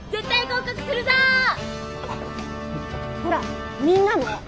ほらみんなも！